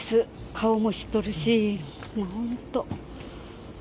顔も知っとるし、本当。